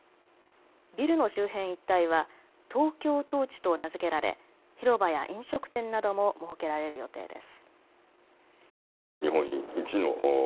ビルの周辺一帯はトウキョウトーチと名付けられ広場や飲食店なども設けられる予定です。